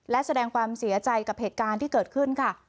และแสดงความเสียใจกับเหตุการณ์ที่เกิดขึ้นค่ะ